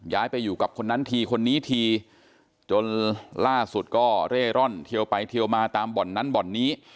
ไปอยู่กับคนนั้นทีคนนี้ทีจนล่าสุดก็เร่ร่อนเทียวไปเทียวมาตามบ่อนนั้นบ่อนนี้